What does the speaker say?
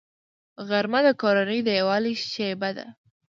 غرمه د کورنۍ د یووالي شیبه ده